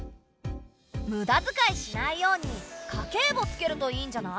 むだづかいしないように家計簿つけるといいんじゃない？